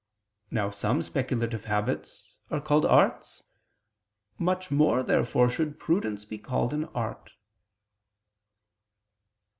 Now some speculative habits are called arts. Much more, therefore, should prudence be called an art.